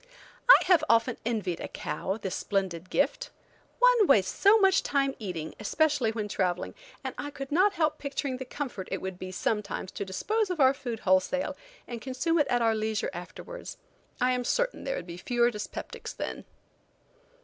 I have often envied a cow this splendid gift. One wastes so much time eating, especially when traveling, and I could not help picturing the comfort it would be sometimes to dispose of our food wholesale and consume it at our leisure afterwards. I am certain there would be fewer dyspeptics then.